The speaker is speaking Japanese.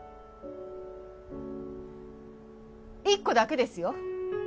１個だけですよ。